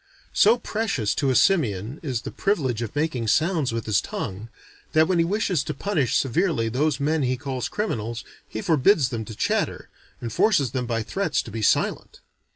So precious to a simian is the privilege of making sounds with his tongue, that when he wishes to punish severely those men he calls criminals, he forbids them to chatter, and forces them by threats to be silent.